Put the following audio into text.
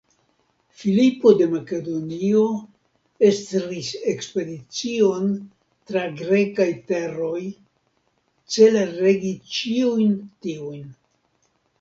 Filipo de Makedonio estris ekspedicion tra grekaj teroj, cele regi ĉiujn tiujn.